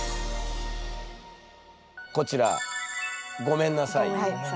こちら「ごめんなさい」。